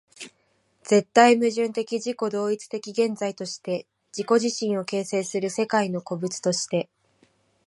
絶対矛盾的自己同一的現在として自己自身を形成する世界の個物として、